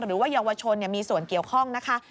หรือว่าเยาวชนมีส่วนเกี่ยวข้องนะคะ